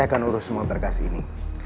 dan saya akan urus semua berkas ini